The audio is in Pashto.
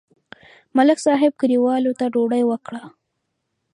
ملک صاحب کلیوالو ته ډوډۍ وکړه.